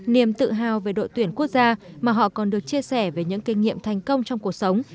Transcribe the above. niềm tự hào về đội tuyển quốc gia mà họ còn được chia sẻ về những kinh nghiệm thành công trong cuộc sống